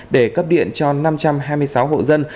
để cấp điện cho năm trăm hai mươi sáu hộ dân